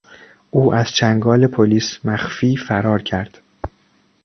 او از چنگال پلیس مخفی فرار کرد.